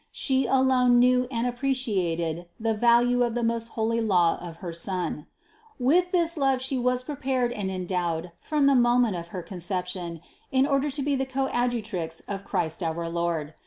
She alone knew and appreciated the value of the most holy law of her Son. With this love She was prepared and endowed from the moment of her Conception in order to be the 238 CITY OF GOD Coadjutrix of Christ our Lord.